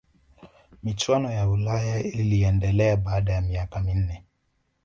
michuano ya ulaya iliendelea baada ya miaka minne